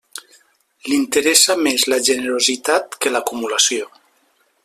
L'interessa més la generositat que l'acumulació.